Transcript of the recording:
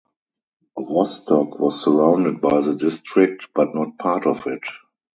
Rostock was surrounded by the district, but not part of it.